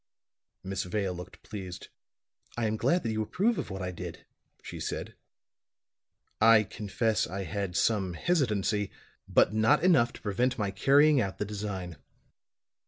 Miss Vale looked pleased. "I am glad that you approve of what I did," she said. "I confess I had some hesitancy, but not enough to prevent my carrying out the design.